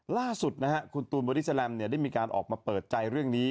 ล่าสุดคุณตูนโบริสาลัมได้มีการออกมาเปิดใจเรื่องนี้